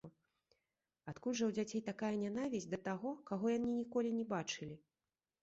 Адкуль жа ў дзяцей такая нянавісць да таго, каго яны ніколі не бачылі?